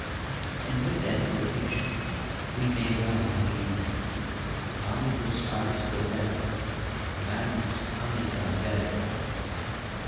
And with that quotation we may well leave him : Amicus Aristoteles; magis arnica Veritas.